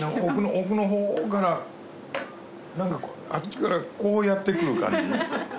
奥のほうからなんかあっちからこうやって来る感じ。